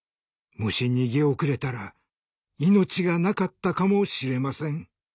もし逃げ遅れたら命がなかったかもしれません。